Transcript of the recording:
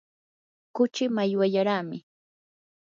kuchii mallwallaraami.